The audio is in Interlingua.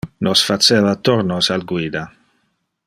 Nos faceva tornos al guida.